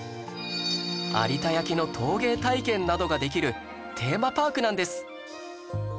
有田焼の陶芸体験などができるテーマパークなんです